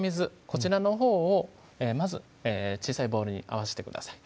こちらのほうをまず小さいボウルに合わしてください